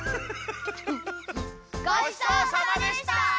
ごちそうさまでした！